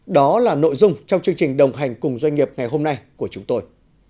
đó là nội dung trong chương trình đồng hành cùng doanh nghiệp ngày hôm nay của chúng tôi